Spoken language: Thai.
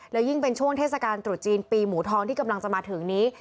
แล้วยิ่งเป็นช่วงเทศกาลตรุษจีนปีหมูทองที่กำลังจะมาถึงนี้